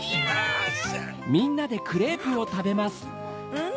うん！